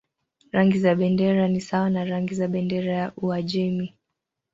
Rangi za bendera ni sawa na rangi za bendera ya Uajemi.